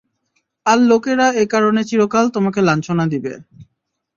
আর লোকেরা এ কারণে চিরকাল তোমাকে লাঞ্ছনা দিবে।